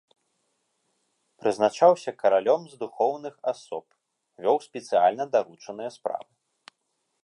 Прызначаўся каралём з духоўных асоб, вёў спецыяльна даручаныя справы.